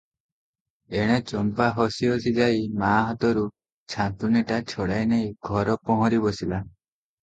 ଏଣେ ଚମ୍ପା ହସି ହସି ଯାଇ ମା ହାତରୁ ଛାଞ୍ଚୁଣିଟା ଛଡ଼ାଇ ନେଇ ଘର ପହଁରି ବସିଲା ।